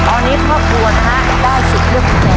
ตอนนี้ครอบครัวนะฮะได้สิทธิ์เลือกกุญแจ